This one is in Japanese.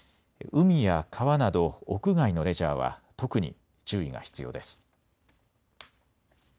海や川など屋外のレジャーは特に注意が必要です。